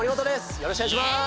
よろしくお願いします！